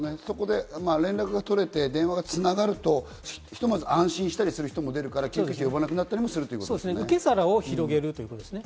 連絡が取れて、電話が繋がると、ひとまず安心する人も出るから救急車を呼ばなくなったりするということですね。